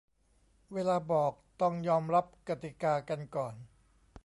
เวลาบอก ต้องยอมรับกติกากันก่อน